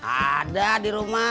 ada di rumah